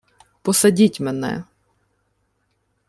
— Посадіть мене.